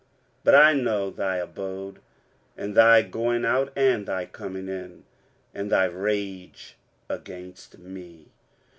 23:037:028 But I know thy abode, and thy going out, and thy coming in, and thy rage against me.